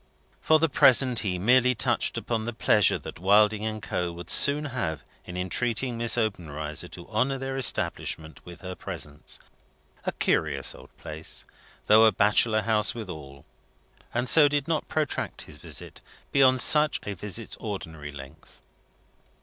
For the present, he merely touched upon the pleasure that Wilding and Co. would soon have in entreating Miss Obenreizer to honour their establishment with her presence a curious old place, though a bachelor house withal and so did not protract his visit beyond such a visit's ordinary length.